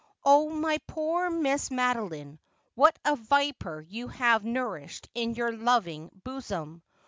Oh, my poor Miss Madeline, what a viper you have nourished in your loving bosom